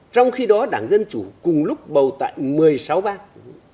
trong khi đó đảng dân chủ cùng lúc bầu tại một mươi sáu bang